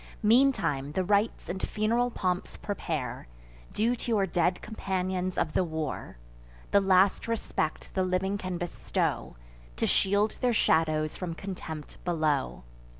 Meantime the rites and fun'ral pomps prepare, Due to your dead companions of the war: The last respect the living can bestow, To shield their shadows from contempt below.